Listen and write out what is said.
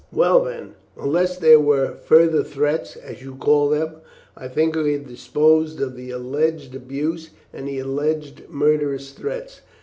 "Well, then, unless there were further threats, as you call them, I think we have disposed of the alleged abuse and the alleged murderous threats.